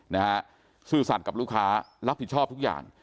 นะฮะซื่อสัตว์กับลูกค้ารับผิดชอบทุกอย่าง